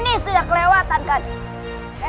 ini sudah kelewatan kanjeng